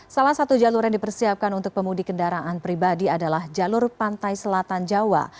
salah satu jalur yang dipersiapkan untuk pemudik kendaraan pribadi adalah jalur pantai selatan jawa